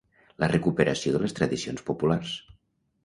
la recuperació de les tradicions populars